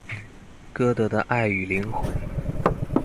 歌德的愛與靈魂